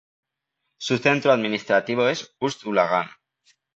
Su centro administrativo es Ust-Ulagan.